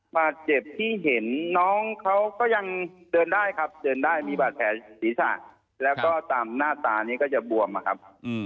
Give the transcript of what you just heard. บาดเจ็บที่เห็นน้องเขาก็ยังเดินได้ครับเดินได้มีบาดแผลศีรษะแล้วก็ตามหน้าตานี้ก็จะบวมอะครับ